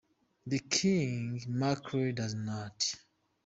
The king mackerel does not.